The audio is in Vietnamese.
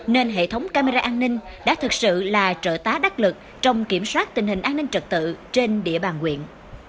nên hệ thống camera an ninh đã thực sự là trợ tá đắc lực trong kiểm soát tình hình an ninh trật tự trên địa bàn huyện